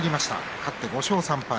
勝って５勝３敗。